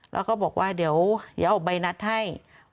แล้วก็บอกว่าเดี๋ยวออกใบนัดให้